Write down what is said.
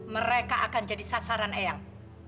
mereka akan jadi sasaran eyang